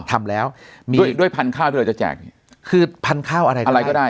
ทำแล้วด้วยด้วยพันธุ์ข้าวด้วยจะแจกคือพันธุ์ข้าวอะไรก็ได้